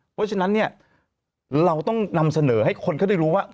เพราะฉะนั้นเนี่ยเราต้องนำเสนอให้คนเขาได้รู้ว่า